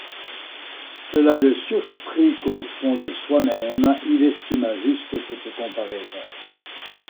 Cela le surprit qu'au fond de soi-même il estimât juste cette comparaison.